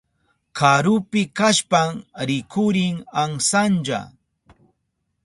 Karupi kashpan rikurin amsanlla.